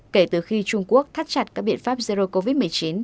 kể từ khi trung quốc thắt chặt các biện pháp zero covid một mươi chín